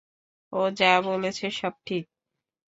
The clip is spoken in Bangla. ও যা বলেছে সব ঠিক।